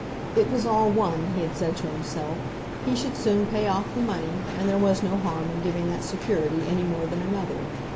It was all one, he had said to himself; he should soon pay off the money, and there was no harm in giving that security any more than another.